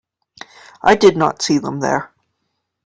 I did not see them there.